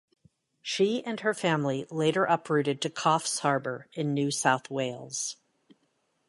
She and her family later uprooted to Coffs Harbour in New South Wales.